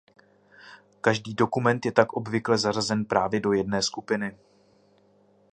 Každý dokument je tak obvykle zařazen právě do jedné skupiny.